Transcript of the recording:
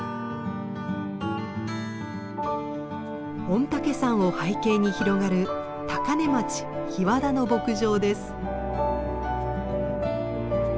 御嶽山を背景に広がる高根町日和田の牧場です。